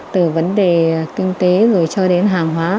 từ vấn đề kinh tế rồi cho đến hàng hóa